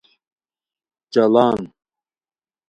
چاڑان